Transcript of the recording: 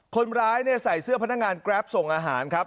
คนร้ายใส่เสื้อพนักงานแกรปส่งอาหารครับ